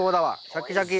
シャキシャキ。